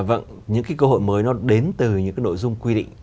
vâng những cái cơ hội mới nó đến từ những cái nội dung quy định